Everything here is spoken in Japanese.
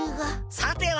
さては。